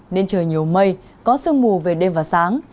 nên trời nhiều mây có sương mù về đêm và sáng